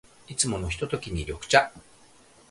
いつものひとときに、緑茶。